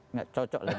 tidak cocok lagi